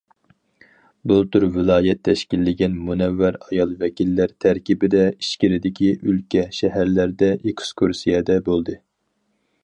بۇلتۇر ۋىلايەت تەشكىللىگەن مۇنەۋۋەر ئايال ۋەكىللەر تەركىبىدە ئىچكىرىدىكى ئۆلكە، شەھەرلەردە ئېكسكۇرسىيەدە بولدى.